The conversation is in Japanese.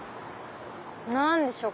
何でしょう？